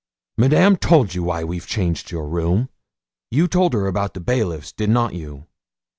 'Madame told you why we've changed your room. You told her about the bailiffs, did not you?'